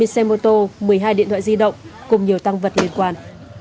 hai mươi xe mô tô một mươi hai điện thoại di động cùng nhiều tăng vật liên quan